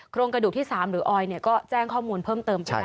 โครงกระดูกที่๓หรือออยก็แจ้งข้อมูลเพิ่มเติมไปแล้ว